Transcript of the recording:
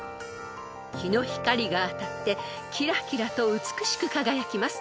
［日の光が当たってきらきらと美しく輝きます］